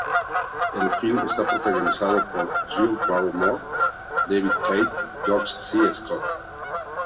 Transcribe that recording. El film está protagonizado por Drew Barrymore, David Keith y George C. Scott.